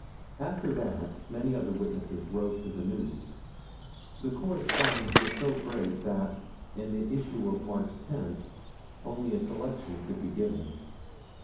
After that many other witnesses wrote to the News. The correspondence was so great that, in the issue of March 10th, only a selection could be given.